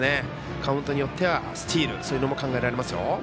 カウントによってはスチールそういうのも考えられますよ。